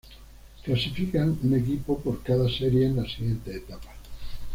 Clasifican un equipo por cada serie en la siguiente etapa.